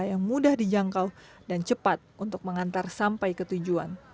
yang mudah dijangkau dan cepat untuk mengantar sampai ketujuan